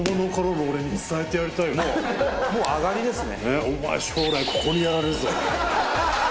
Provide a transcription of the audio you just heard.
もうあがりですね